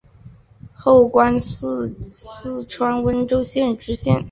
后官四川温江县知县。